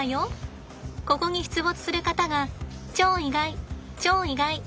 ここに出没する方が超意外超意外。